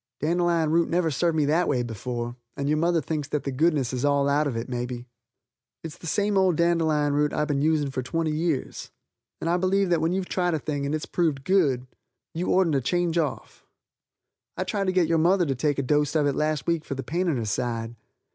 Dandelion root never served me that way before and your mother thinks that the goodness is all out of it, may be. It's the same old dandelion root that I've been using for twenty years, and I believe when you've tried a thing and proved it's good, you ortent to change off. I tried to get your mother to take a dost of it last week for the pain in her side.